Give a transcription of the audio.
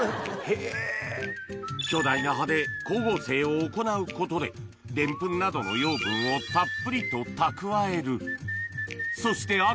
巨大な葉で光合成を行うことでデンプンなどの養分をたっぷりと蓄えるそして秋